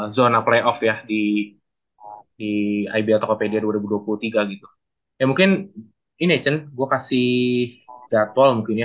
tonal playoff ya di di ibl tokopedia dua ribu dua puluh tiga gitu ya mungkin ini echen gua kasih jadwal mungkin ya